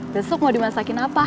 besok mau dimasakin apa